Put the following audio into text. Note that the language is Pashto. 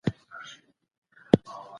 سازمانونه به د جګړې مخه ونیسي.